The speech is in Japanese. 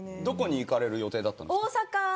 どこに行かれる予定だったんですか。